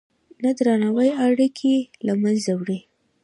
نه درناوی اړیکې له منځه وړي.